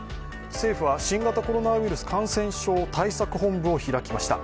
政府は新型コロナウイルス感染症対策本部を開きました。